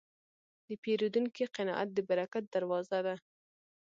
د پیرودونکي قناعت د برکت دروازه ده.